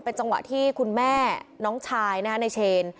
เป็นจังหวะที่คุณแม่น้องชายในเชน